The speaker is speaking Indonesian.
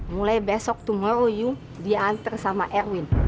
mulai besok besok yuk diantar sama erwin